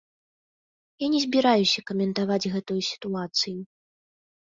Я не збіраюся каментаваць гэтую сітуацыю.